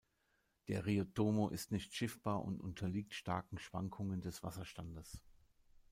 Der Río Tomo ist nicht schiffbar und unterliegt starken Schwankungen des Wasserstandes.